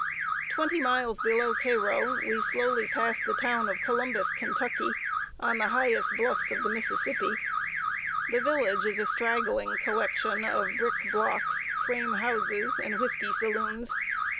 Twenty miles below Cairo, we slowly passed the town of Columbus, Ky., on the highest bluffs of the Mississippi. The village is a straggling collection of brick blocks, frame houses, and whisky saloons.